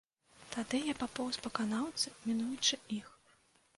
Тады я папоўз па канаўцы, мінаючы іх.